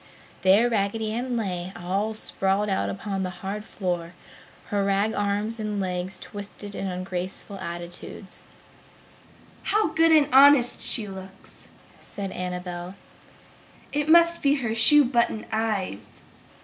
There Raggedy Ann lay; all sprawled out upon the hard floor, her rag arms and legs twisted in ungraceful attitudes. "How good and honest she looks!" said Annabel. "It must be her shoe button eyes!"